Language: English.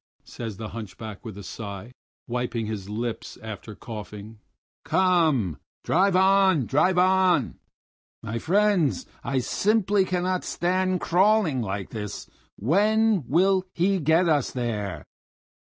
says the hunchback with a sigh, wiping his lips after coughing. "Come, drive on! drive on! My friends, I simply cannot stand crawling like this! When will he get us there?"